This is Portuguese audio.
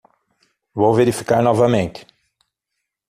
Vou verificar novamente.